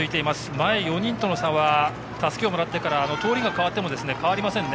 前４人との差はたすきをもらってから通りが変わっても変わりませんね。